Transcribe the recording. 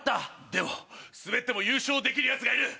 でもスベっても優勝できるヤツがいる！